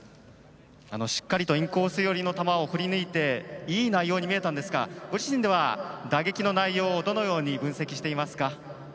しっかりとインコース寄りの球を振り抜いていい内容に見えたんですがご自身では打撃の内容をどのように分析していますか？